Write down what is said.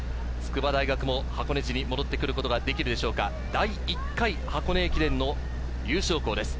筑波大学も箱根路に戻ってくることができるでしょうか、第１回箱根駅伝の優勝校です。